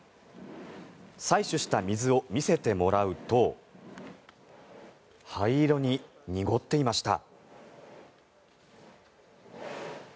採取した水を見せてもらうと灰色に濁っていました。